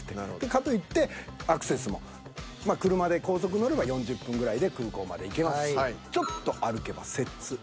かといってアクセスもまあ車で高速乗れば４０分ぐらいで空港まで行けます。